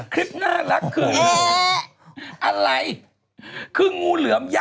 ใครบะ